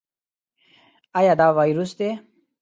ایا دا وایروس دی؟